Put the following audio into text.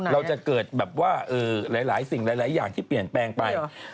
เราจะเกิดหลายอย่างที่เปลี่ยนแปลงไป